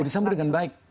oh disambut dengan baik